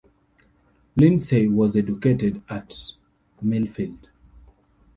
Lindsay was educated at Millfield.